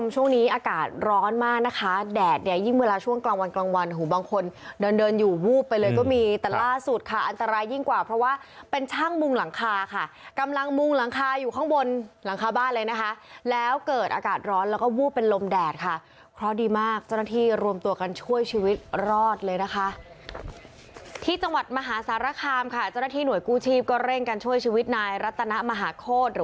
ช่วงนี้อากาศร้อนมากนะคะแดดเนี่ยยิ่งเวลาช่วงกลางวันกลางวันหูบางคนเดินเดินอยู่วูบไปเลยก็มีแต่ล่าสุดค่ะอันตรายยิ่งกว่าเพราะว่าเป็นช่างมุงหลังคาค่ะกำลังมุงหลังคาอยู่ข้างบนหลังคาบ้านเลยนะคะแล้วเกิดอากาศร้อนแล้วก็วูบเป็นลมแดดค่ะเพราะดีมากเจ้าหน้าที่รวมตัวกันช่วยชีวิตรอด